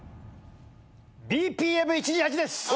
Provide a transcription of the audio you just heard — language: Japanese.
ＢＰＭ１２８です。